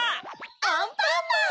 アンパンマン！